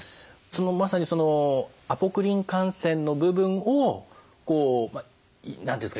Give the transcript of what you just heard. そのまさにそのアポクリン汗腺の部分を何て言うんですか？